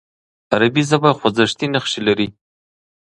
عربي ژبه خوځښتي نښې لري.